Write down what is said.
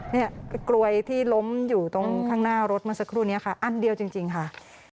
เนี่ยกลวยที่ล้มอยู่ตรงข้างหน้ารถเมื่อสักครู่นี้ค่ะอันเดียวจริงค่ะ